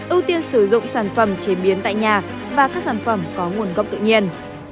ưu tiên sử dụng sản phẩm chế biến tại nhà và các sản phẩm có nguồn gốc tự nhiên